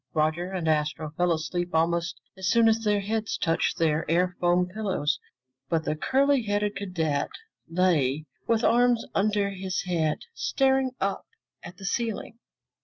Roger and Astro fell asleep almost as soon as their heads touched their air foam pillows, but the curly haired cadet lay with arms under his head, staring up at the ceiling.